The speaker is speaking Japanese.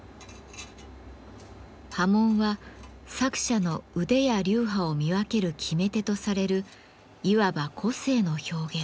刃文は作者の腕や流派を見分ける決め手とされるいわば個性の表現。